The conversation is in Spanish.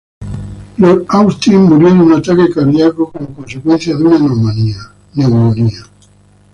Lord Austin murió de un ataque cardiaco como consecuencia de una neumonía.